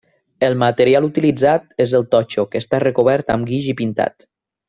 El material utilitzat és el totxo que està recobert amb guix i pintat.